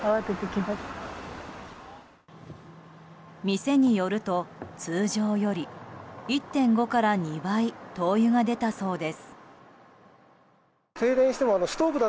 店によると通常より１．５から２倍灯油が出たそうです。